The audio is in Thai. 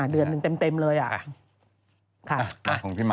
เดือนหนึ่งเต็มเลยอะ